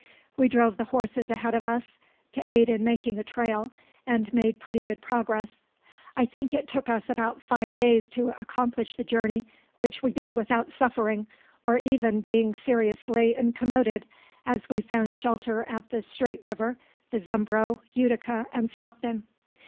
We drove the horses ahead of us to aid in making a trail, and made pretty good progress. I think it took us about five days to accomplish the journey, which we did without suffering, or even being seriously incommoded, as we found shelter at the Straight river, the Zumbro, Utica, and Stockton.